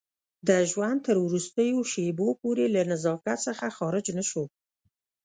د ژوند تر وروستیو شېبو پورې له نزاکت څخه خارج نه شو.